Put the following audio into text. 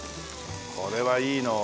これはいいのを。